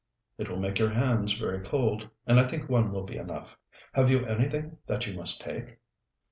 "It will make your hands very cold, and I think one will be enough. Have you anything that you must take?"